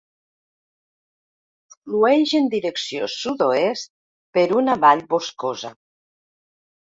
Flueix en direcció sud-oest per una vall boscosa.